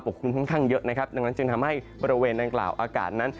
กลุ่มค่อนข้างเยอะนะครับดังนั้นจึงทำให้บริเวณดังกล่าวอากาศนั้น